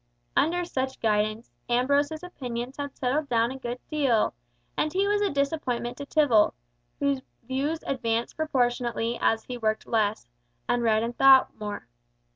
Under such guidance, Ambrose's opinions had settled down a good deal; and he was a disappointment to Tibble, whose views advanced proportionably as he worked less, and read and thought more.